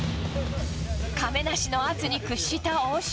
亀梨の圧に屈した大島。